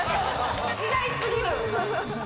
違いすぎる。